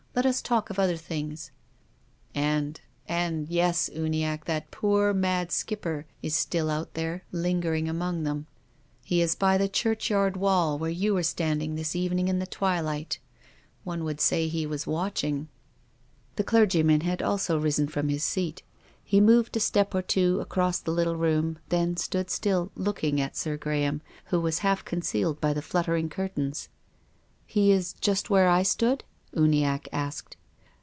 Let us talk of other things." " And — and — yes, Uniackc, that poor, mac! Skip per is still out there, lingering among them. He 46 TONGUES OF CONSCIENCE. is by the churchyard wall, where you were stand ing this evening in the twilight : one would say he was watching." The clergyman had also risen from his seat. He moved a step or two across the little room, then stood still, looking at Sir Graham, who was half concealed by the fluttering curtains. " He is just where I stood?" Uniackc asked.